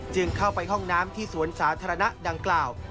จึงเข้าไปห้องน้ำที่สวนสาธารณะดังกล่าว